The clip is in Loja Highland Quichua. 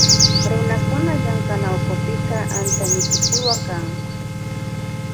Runakuna llamkanawkupika antanikichikwan kan.